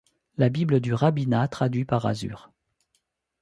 La Bible du Rabbinat traduit par azur.